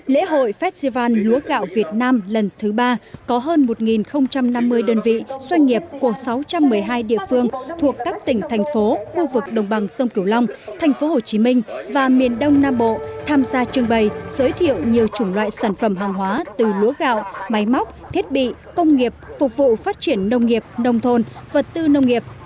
lễ hội festival lúa gạo việt nam lần thứ ba có hơn một năm mươi đơn vị doanh nghiệp của sáu trăm một mươi hai địa phương thuộc các tỉnh thành phố khu vực đồng bằng sông kiều long tp hcm và miền đông nam bộ tham gia trưng bày giới thiệu nhiều chủng loại sản phẩm hàng hóa từ lúa gạo máy móc thiết bị công nghiệp phục vụ phát triển nông nghiệp nông thôn vật tư nông nghiệp